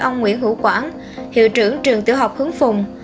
ông nguyễn hữu quảng hiệu trưởng trường tiểu học hướng phùng